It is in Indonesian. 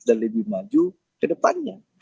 dan lebih maju ke depannya